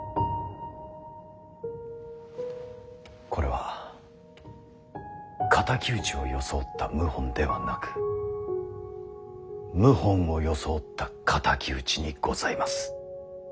これは敵討ちを装った謀反ではなく謀反を装った敵討ちにございます。